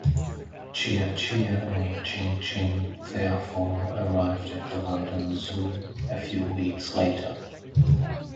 Chia-Chia and Ching-Ching therefore arrived at the London Zoo a few weeks later.